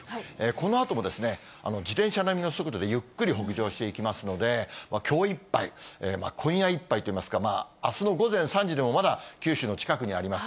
このあとも自転車並みの速度でゆっくり北上していきますので、きょういっぱい、今夜いっぱいといいますか、あすの午前３時でもまだ九州の近くにあります。